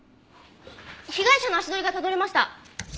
被害者の足取りがたどれました！